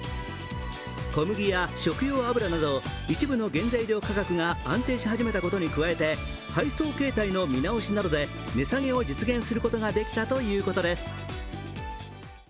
小麦や食用油など一部の原材料価格が安定し始めたことに加えて、配送形態の見直しなどで値下げを実現することができたということです。